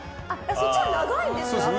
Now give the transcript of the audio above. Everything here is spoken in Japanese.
そっち長いんですか？